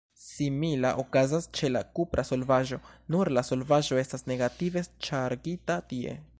Simila okazas ĉe la kupra solvaĵo, nur la solvaĵo estas negative ŝargita tie.